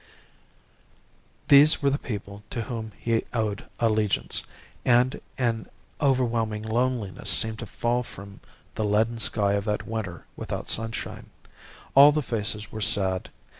"These were the people to whom he owed allegiance, and an overwhelming loneliness seemed to fall from the leaden sky of that winter without sunshine. All the faces were sad.